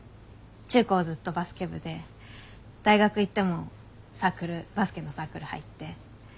中高ずっとバスケ部で大学行ってもサークルバスケのサークル入って。